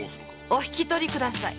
お引き取りください。